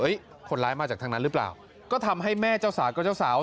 คนร้ายมาจากทางนั้นหรือเปล่าก็ทำให้แม่เจ้าสาวกับเจ้าสาว